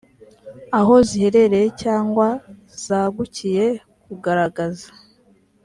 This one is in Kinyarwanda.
aho ziherereye cyangwa zagukiye kugaragaza